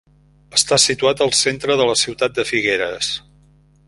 Està situat al centre de la ciutat de Figueres.